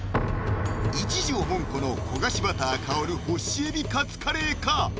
一条もんこの焦がしバター香る干し海老カツカレーか？